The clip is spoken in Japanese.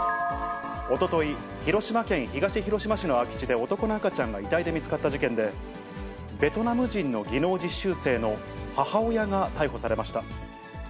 おととい、広島県東広島市の空き地で男の赤ちゃんが遺体で見つかった事件で、ベトナム人の技能実習生の母親が逮捕されました。